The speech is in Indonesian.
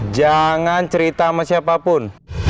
jangan cerita sama siapapun